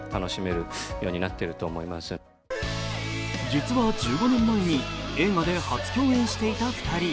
実は１５年前に映画で初共演していた２人。